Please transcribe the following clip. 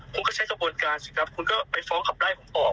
คุณก็ใช้กระบวนการสิครับคุณก็ไปฟ้องขับไล่ผมออก